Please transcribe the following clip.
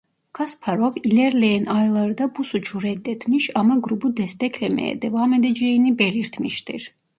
Kasparov ilerleyen aylarda bu suçu reddetmiş ama grubu desteklemeye devam edeceğini belirtmiştir.